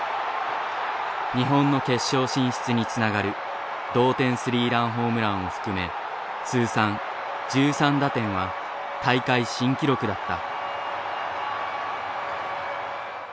日本の決勝進出につながる同点３ランホームランを含め通算１３打点は大会新記録だった。